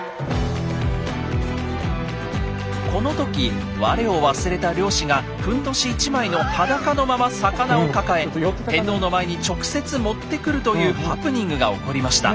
この時我を忘れた漁師がふんどし１枚の裸のまま魚を抱え天皇の前に直接持ってくるというハプニングが起こりました。